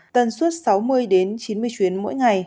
tần suốt sáu mươi chín mươi chuyến mỗi ngày